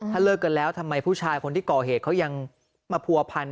ถ้าเลิกกันแล้วทำไมผู้ชายคนที่ก่อเหตุเขายังมาผัวพันธ